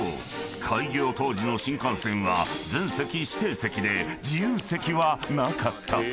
開業当時の新幹線は全席指定席で自由席はなかった］